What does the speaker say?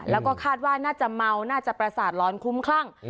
แล้วก็คาดว่าน่าจะเมาน่าจะประสาทร้อนคุ้มคลั่ง